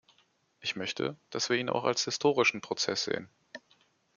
Ich möchte, dass wir ihn auch als historischen Prozess sehen.